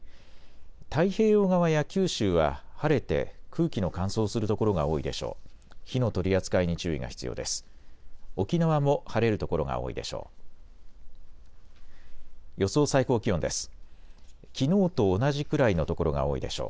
太平洋側や九州は晴れて空気の乾燥する所が多いでしょう。